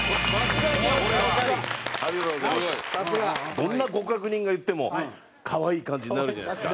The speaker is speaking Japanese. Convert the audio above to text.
どんな極悪人が言っても可愛い感じになるじゃないですか。